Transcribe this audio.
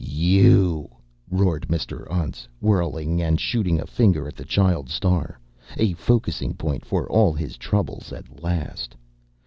"You!" roared Mr. Untz, whirling and shooting a finger at the child star. A focusing point for all his troubles, at last.